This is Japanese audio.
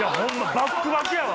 バックバクやわ！